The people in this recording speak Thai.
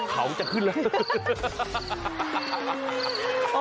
เขาจะขึ้นแล้ว